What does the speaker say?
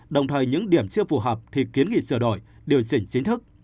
đồng thời những điểm chưa phù hợp thì kiến nghị sửa đổi điều chỉnh chính thức